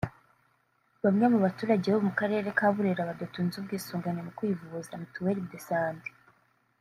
Bamwe mu baturage bo mu karere ka Burera badatunze ubwisungane mu kwivuza (Mituelle de Santé)